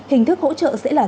hình thức hỗ trợ sẽ là